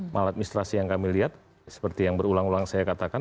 maladministrasi yang kami lihat seperti yang berulang ulang saya katakan